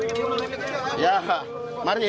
udah mau jual pakaian